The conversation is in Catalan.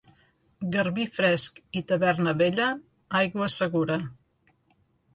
Garbí fresc i taverna vella, aigua segura.